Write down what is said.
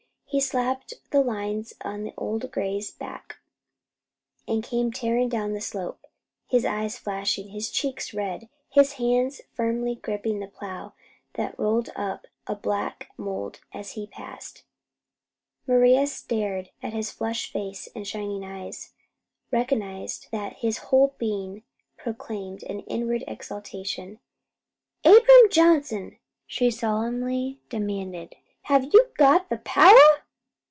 He slapped the lines on the old gray's back and came tearing down the slope, his eyes flashing, his cheeks red, his hands firmly gripping the plow that rolled up a line of black mould as he passed. Maria, staring at his flushed face and shining eyes, recognized that his whole being proclaimed an inward exultation. "Abram Johnson," she solemnly demanded, "have you got the power?"